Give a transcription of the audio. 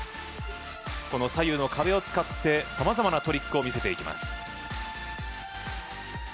左右の壁を使ってさまざまなトリックを見せます。